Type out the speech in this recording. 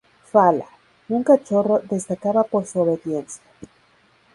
Fala, un cachorro, destacaba por su obediencia.